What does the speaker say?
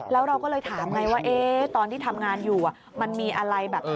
แล้วเราก็เลยถามไงว่าตอนที่ทำงานอยู่มันมีอะไรแบบ